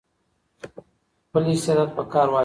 خپل استعداد په کار واچوئ.